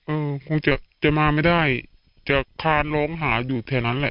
คงจะจะมาไม่ได้จะคานร้องหาอยู่แถวนั้นแหละ